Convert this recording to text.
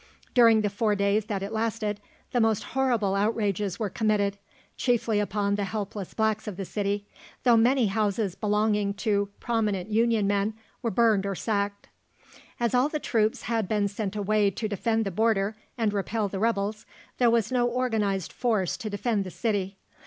During the four days that it lasted, the most horrible outrages were committed, chiefly upon the helpless blacks of the city, though many houses belonging to prominent Union men were burned or sacked. As all the troops had been sent away to defend the Border and repel the rebels, there was no organised force to defend the city.